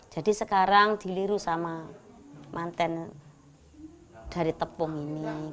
jadi sekarang diliru sama mantan dari tepung ini gitu